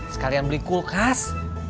sekalian beli kulkas